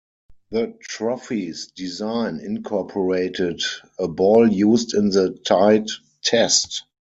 The trophy's design incorporated a ball used in the tied Test.